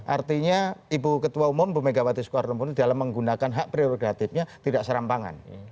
artinya ibu ketua umum bumegawati sukarno munih dalam menggunakan hak prioritatifnya tidak serampangan